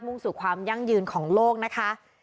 ่งสู่ความยั่งยืนของโลกนะคะ